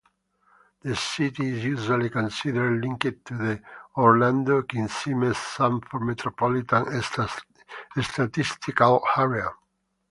The city is usually considered linked to the Orlando-Kissimmee-Sanford Metropolitan Statistical Area.